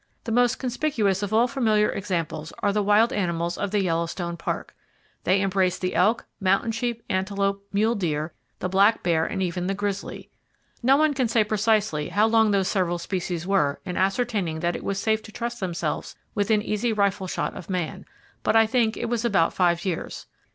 The most conspicuous of all familiar examples are the wild animals of the Yellowstone Park. They embrace the elk, mountain sheep, antelope, mule deer, the black bear and even the grizzly. No one can say precisely how long those several species were in ascertaining that it was safe to trust themselves within easy rifle shot of man; but I think it was about five years.